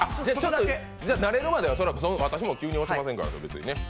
慣れるまで、私も急に押しませんから。